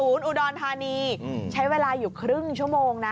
๓๓๓๐อุนดอนฐานีใช้เวลาอยู่ครึ่งชั่วโมงนะ